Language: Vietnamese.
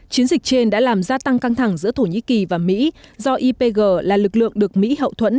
chiến dịch trên đã làm gia tăng căng thẳng giữa thổ nhĩ kỳ và mỹ do ipg là lực lượng được mỹ hậu thuẫn